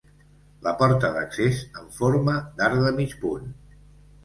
La porta d'accés en forma d'arc de mig punt.